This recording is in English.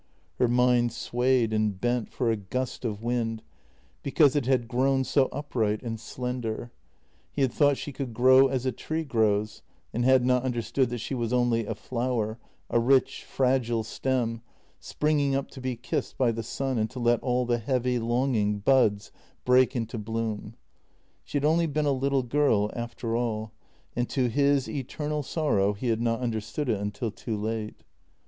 Her mind swayed and bent for a gust of wind, because it had grown so upright and slender; he had thought she could grow as a tree grows, and had not understood that she was only a flower, a rich, fragile stem, springing up to be kissed by the sun and to let all the heavy, longing buds break into bloom. She had only been a little girl after all, and to his eternal sorrow he had not understood it until too late.